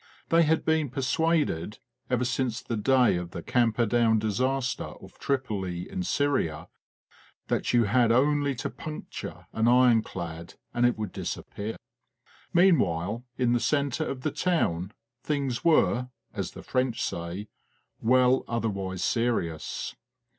They had been persuaded, ever since the day of the Camperdown disaster off Tripoli in Syria, that you had only to puncture an ironclad and it would disappear. Meanwhile, in the centre of the town, things were, as the French say, " well otherwise serious."